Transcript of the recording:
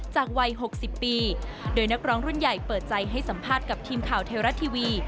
วัย๖๐ปีโดยนักร้องรุ่นใหญ่เปิดใจให้สัมภาษณ์กับทีมข่าวไทยรัฐทีวี